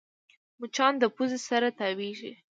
مچان د پوزې سره تاوېږي